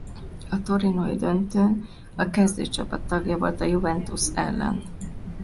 A torinói döntőn a kezdőcsapat tagja volt a Juventus ellen.